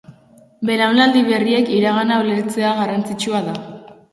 Belaunaldi berriek iragana ulertzea garrantzitsua da.